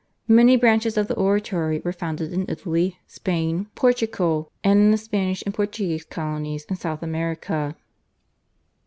Many branches of the Oratory were founded in Italy, Spain, Portugal, and in the Spanish and Portuguese colonies in South America.